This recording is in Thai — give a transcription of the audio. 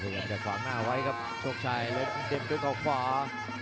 อยากจะกว้างหน้าไว้ครับโชคชัยเด็กด้วยต่อขวา